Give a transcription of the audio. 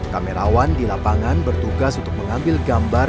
kamerawan di lapangan bertugas untuk mengambil gambar